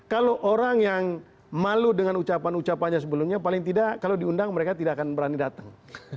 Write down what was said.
kalau orang yang malu dengan ucapan ucapannya sebelumnya paling tidak kalau diundang mereka tidak akan berani datang